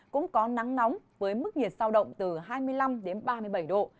cũng có nắng nóng với mức nhiệt giao động từ hai mươi năm đến ba mươi năm độ